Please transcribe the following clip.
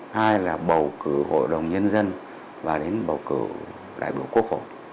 hai là bầu cử hội đồng nhân dân và đến bầu cử đại biểu quốc hội